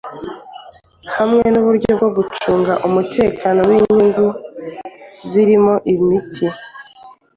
hamwe n’uburyo bwo gucunga umutekano w’inyubako zirimo imiti